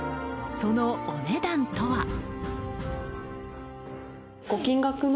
そのお値段とは？